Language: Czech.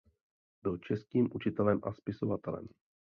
Byl českým učitelem a spisovatelem.